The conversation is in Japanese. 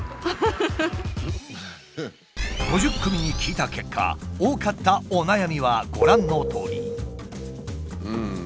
５０組に聞いた結果多かったお悩みはご覧のとおり。